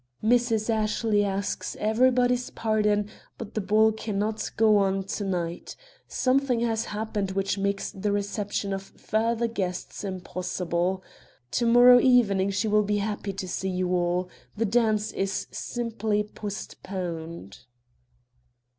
"Mrs. Ashley asks everybody's pardon, but the ball can't go on to night. Something has happened which makes the reception of further guests impossible. To morrow evening she will be happy to see you all. The dance is simply postponed."